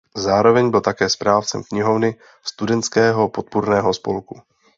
Zároveň byl také správcem knihovny Studentského podpůrného spolku.